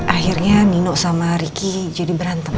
akhirnya nino sama ricky jadi berantem